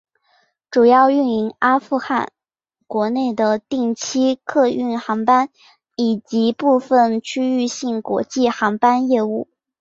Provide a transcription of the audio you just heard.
主要运营阿富汗国内的定期客运航班以及部分区域性国际航班业务。